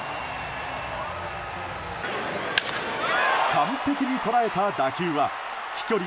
完璧に捉えた打球は飛距離